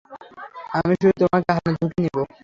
আমি শুধু তোমাকে হারানোর ঝুঁকি নিব।